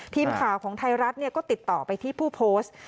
ทีมข่าวของไทยรัฐก็ติดต่อไปที่ผู้โพสต์